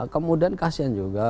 kemudian kasian juga